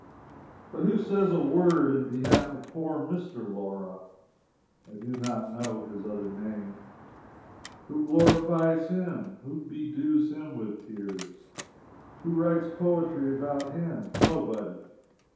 But who says a word in behalf of poor Mr. Laura? (I do not know his other name.) Who glorifies him? Who bedews him with tears? Who writes poetry about him? Nobody.